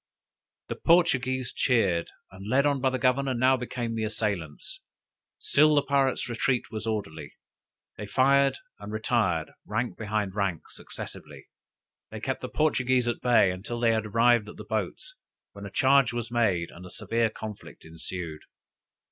The Portuguese cheered, and led on by the governor, now became the assailants. Still the pirates' retreat was orderly; they fired and retired rank behind rank successively. They kept the Portuguese at bay until they had arrived at the boats, when a charge was made and a severe conflict ensued.